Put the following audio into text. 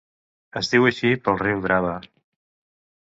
Es diu així pel riu Drava.